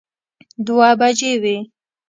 دوه بجې وې.